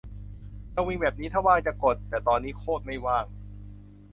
สวิงแบบนี้ถ้าว่างจะกด แต่ตอนนี้โคตรไม่ว่าง